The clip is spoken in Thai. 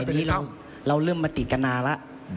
แต่อันนี้เราเริ่มมาติดกันนาน่ะ